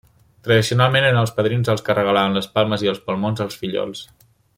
Tradicionalment eren els padrins els que regalaven les palmes i palmons als fillols.